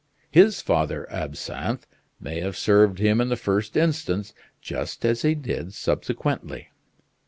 His Father Absinthe may have served him in the first instance just as he did subsequently."